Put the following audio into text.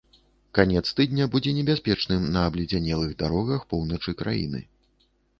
Канец тыдня будзе небяспечным на абледзянелых дарогах поўначы краіны.